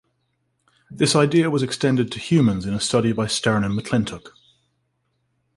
This idea was extended to humans in a study by Stern and McClintock.